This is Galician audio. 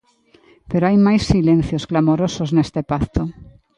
Pero hai máis silencios clamorosos neste pacto.